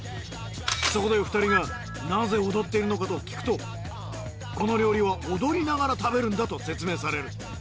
そこで２人が「なぜ踊っているのか」と聞くと「この料理は踊りながら食べるんだ」と説明される。